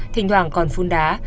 thỉnh thoảng còn phun đá